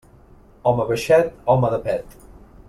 Home baixet, home de pet.